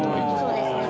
そうですね。